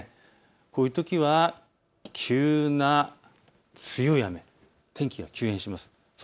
こういうときは強い雨、天気が急変します。